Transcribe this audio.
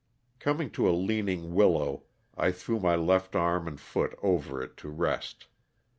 Coming to a leaning willow I threw my left arm and foot over it to rest.